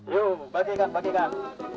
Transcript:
yuk bagikan bagikan